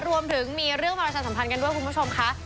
รวมถึงมีเรื่องประชาสัมพันธ์กันด้วยคุณผู้ชมค่ะ